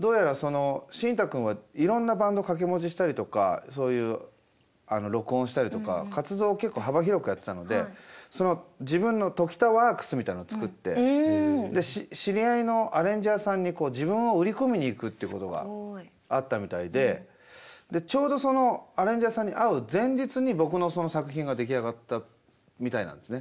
どうやらそのシンタくんはいろんなバンド掛け持ちしたりとかそういう録音したりとか活動を結構幅広くやってたので自分の常田ワークスみたいなの作って知り合いのアレンジャーさんに自分を売り込みに行くってことがあったみたいでちょうどそのアレンジャーさんに会う前日に僕のその作品が出来上がったみたいなんですね。